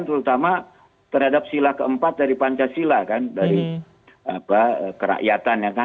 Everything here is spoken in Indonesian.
terutama terhadap sila keempat dari pancasila kan dari kerakyatan ya kan